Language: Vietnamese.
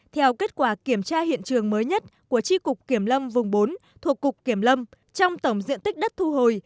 theo kết quả kiểm tra hiện trường mới nhất của tri cục kiểm lâm vùng bốn thuộc cục kiểm lâm trong tổng diện tích đất thu hồi